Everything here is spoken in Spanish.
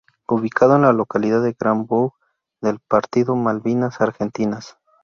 Ubicado en la localidad de Grand Bourg del partido Malvinas Argentinas.